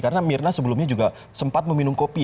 karena mirna sebelumnya juga sempat meminum kopi